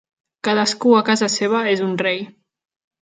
Cadascú a casa seva és un rei.